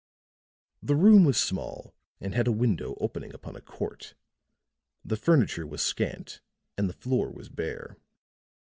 The room was small and had a window opening upon a court; the furniture was scant and the floor was bare.